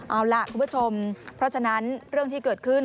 เอาล่ะคุณผู้ชมเพราะฉะนั้นเรื่องที่เกิดขึ้น